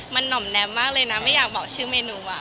มันห่อมแนมมากเลยนะไม่อยากบอกชื่อเมนูอ่ะ